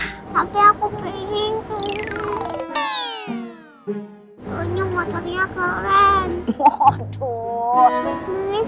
tapi aku pengen tuh